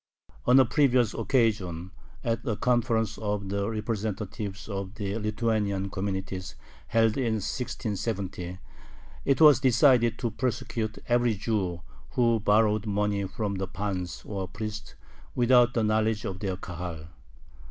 On a previous occasion, at a conference of the representatives of the Lithuanian communities held in 1670, it was decided to prosecute every Jew who borrowed money from the pans or priests without the knowledge of their Kahal.